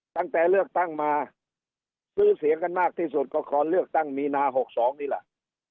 ตั้งแต่เลือกตั้งมาซื้อเสียงกันมากที่สุดก็ก่อนเลือกตั้งมีนา๖๒นี่แหละ